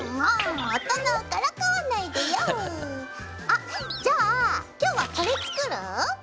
あっじゃあ今日はこれ作る？